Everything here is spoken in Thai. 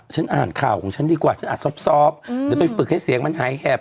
ฉันอ่านข่าวของฉันดีกว่าฉันอ่านซอบเดี๋ยวไปฝึกให้เสียงมันหายแหบ